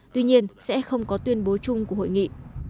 tuy nhiên sẽ không có tuyên bố chung của hội nghị